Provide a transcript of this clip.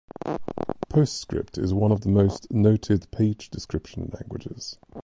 PostScript is one of the most noted page description languages.